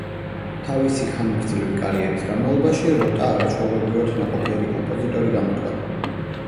თავისი ხანგძლივი კარიერის განმავლობაში როტა არაჩვეულებრივად ნაყოფიერი კომპოზიტორი გამოდგა.